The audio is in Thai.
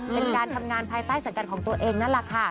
เป็นการทำงานภายใต้สังกัดของตัวเองนั่นแหละค่ะ